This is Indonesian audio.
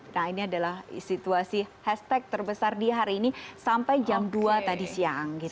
nah ini adalah situasi hashtag terbesar di hari ini sampai jam dua tadi siang